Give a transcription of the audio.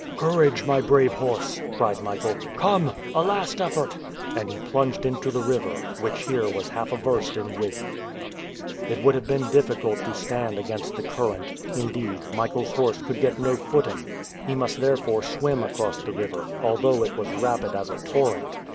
"Courage, my brave horse!" cried Michael. "Come! A last effort!" And he plunged into the river, which here was half a verst in width. It would have been difficult to stand against the current indeed, Michael's horse could get no footing. He must therefore swim across the river, although it was rapid as a torrent.